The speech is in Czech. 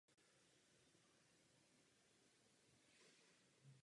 Evropská unie má rozhodně velmi silnou politiku rozvojové pomoci.